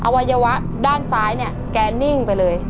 วัยวะด้านซ้ายเนี่ยแกนิ่งไปเลย